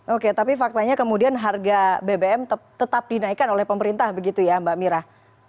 oke tapi faktanya kemudian harga bbm tetap dinaikkan oleh pemerintah begitu ya mbak mira